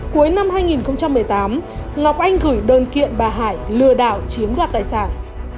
cuối năm hai nghìn một mươi tám ngọc anh gửi đơn kiện bà hải lừa đảo chiếm đoạt tài sản